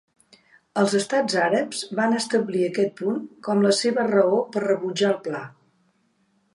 Els estats àrabs van establir aquest punt com la seva raó per rebutjar el pla.